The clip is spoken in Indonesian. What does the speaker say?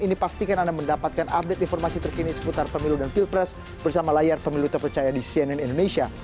ini pastikan anda mendapatkan update informasi terkini seputar pemilu dan pilpres bersama layar pemilu terpercaya di cnn indonesia